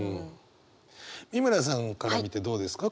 美村さんから見てどうですか？